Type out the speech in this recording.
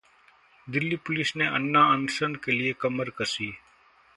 Delhi police ने अन्ना अनशन के लिए कमर कसी